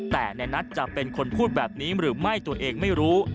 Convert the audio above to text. แต่ในนัทจะเป็นคนพูดแบบนี้หรือไม่ตัวเองไม่รู้